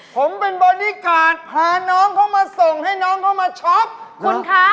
คุณกีต้าคุณเบียร์ค่ะ